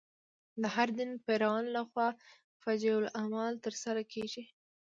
د هر دین پیروانو له خوا فجیع اعمال تر سره کېږي.